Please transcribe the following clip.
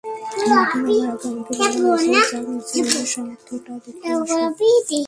মাঠে নামার আগে আমাকে বলা হয়েছিল, যাও নিজের সামর্থ্যটা দেখিয়ে আসো।